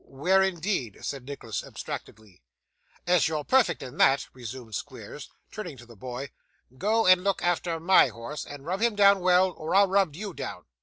'Where, indeed!' said Nicholas abstractedly. 'As you're perfect in that,' resumed Squeers, turning to the boy, 'go and look after MY horse, and rub him down well, or I'll rub you down.